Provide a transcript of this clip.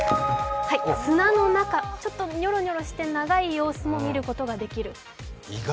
砂の中、ちょっとニョロニョロして長い様子も見ることができる。